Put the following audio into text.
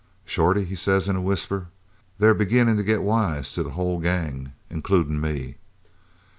"'Shorty,' he says in a whisper, 'they're beginnin' to get wise to the whole gang includin' me.'